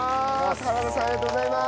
原田さんありがとうございます。